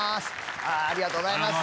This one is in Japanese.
ありがとうございます